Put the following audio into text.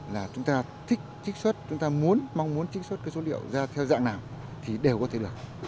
là chúng ta thích trích xuất chúng ta mong muốn trích xuất cái số liệu ra theo dạng nào thì đều có thể được